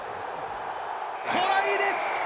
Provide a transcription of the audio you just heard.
トライです。